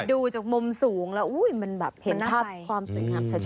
ดูจากมุมสูงแล้วมันแบบเห็นภาพความสวยงามชัด